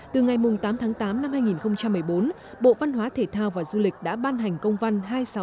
từ ngày tám tháng tám năm hai nghìn một mươi bốn bộ văn hóa thể thao và du lịch đã ban hành công văn hai nghìn sáu trăm sáu mươi